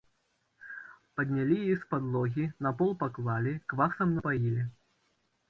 Паднялі яе з падлогі, на пол паклалі, квасам напаілі.